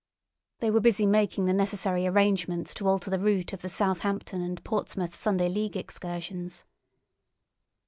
They were busy making the necessary arrangements to alter the route of the Southampton and Portsmouth Sunday League excursions.